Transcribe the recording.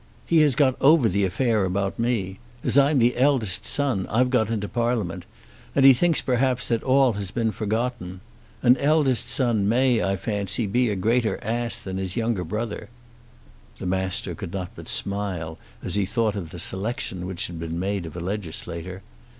He has got over the affair about me. As I'm the eldest son I've got into Parliament, and he thinks perhaps that all has been forgotten. An eldest son may, I fancy, be a greater ass than his younger brother." The Master could not but smile as he thought of the selection which had been made of a legislator.